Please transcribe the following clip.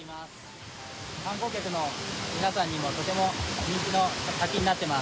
観光客の皆さんにもとても人気の滝になってます。